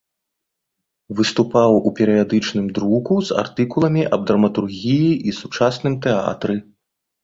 Выступаў у перыядычным друку з артыкуламі аб драматургіі і сучасным тэатры.